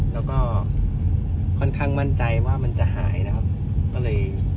แล้วเข้ามั่นใจว่ามันจะหายนะครับ